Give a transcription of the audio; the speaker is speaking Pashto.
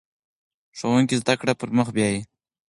ښوونکی زده کړه پر مخ بیايي.